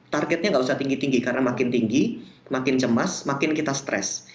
targetnya nggak usah tinggi tinggi karena makin tinggi makin cemas makin kita stres